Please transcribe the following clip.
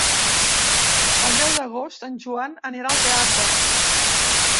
El deu d'agost en Joan anirà al teatre.